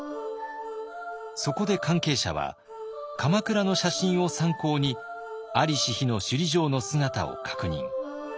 そこで関係者は鎌倉の写真を参考に在りし日の首里城の姿を確認。